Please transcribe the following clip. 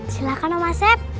silahkan om asep